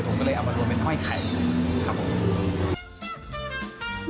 ผมก็เลยเอามารวมเป็นห้อยไข่ครับผม